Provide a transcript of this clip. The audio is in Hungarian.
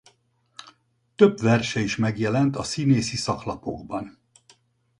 Több verse is megjelent a színészi szaklapokban.